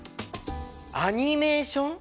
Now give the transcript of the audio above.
アニメーション？